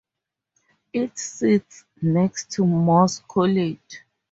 It sits next to Morse College.